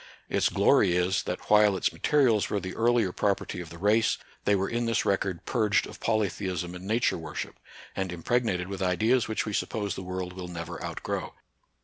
Its glory is, that while its materials were the earlier property of the race, they were in this record purged of polytheism and Nature worship, and impregnated with ideas which we suppose the world will never outgrow.